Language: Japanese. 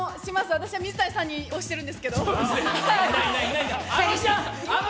私は水谷さんに押してるんですけど。